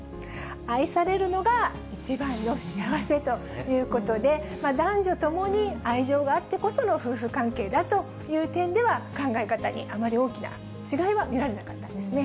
愛されるのが一番の幸せということで、男女ともに愛情があってこその夫婦関係だという点では、考え方にあまり大きな違いは見られなかったんですね。